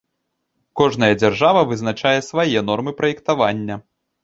Кожная дзяржава вызначае свае нормы праектавання.